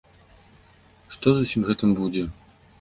Што з усім гэтым будзе?